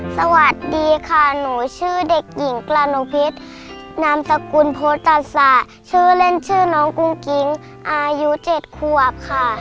สวัสดีค่ะหนูชื่อเด็กหญิงกระนุพิษนามสกุลโพตัสสะชื่อเล่นชื่อน้องกุ้งกิ๊งอายุ๗ขวบค่ะ